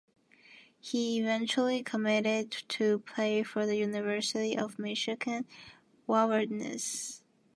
He eventually committed to play for the University of Michigan Wolverines.